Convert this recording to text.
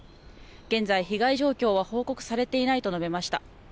現在、被害状況は報告されていないと述べました。